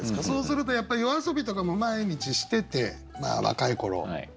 そうするとやっぱり夜遊びとかも毎日してて若い頃。